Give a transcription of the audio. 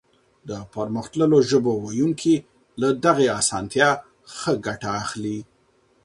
د پرمختللو ژبو ويونکي له دغې اسانتيا ښه ګټه اخلي.